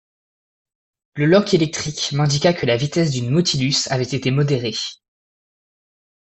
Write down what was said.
Le loch électrique m’indiqua que la vitesse du Nautilus avait été modérée.